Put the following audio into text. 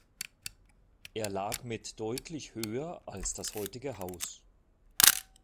Er lag mit deutlich höher als das heutige Haus.